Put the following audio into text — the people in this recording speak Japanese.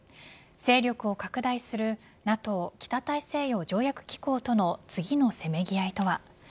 勢力を拡大するＮＡＴＯ＝北大西洋条約機構との次のせめぎ合いとは。